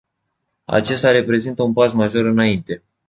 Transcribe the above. Acesta reprezintă un pas major înainte.